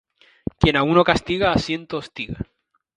Quien a uno castiga a ciento hostiga.